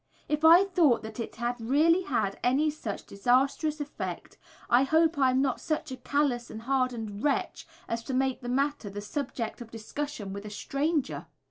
If I thought that it had really had any such disastrous effect, I hope I am not such a callous and hardened wretch as to make the matter the subject of discussion with a stranger.